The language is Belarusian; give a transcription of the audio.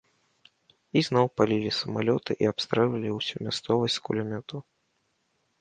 І зноў палілі самалёты і абстрэльвалі ўсю мясцовасць з кулямётаў.